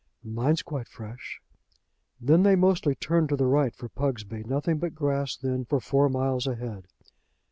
"Mine's quite fresh." "Then they mostly turn to the right for Pugsby; nothing but grass then for four miles a head."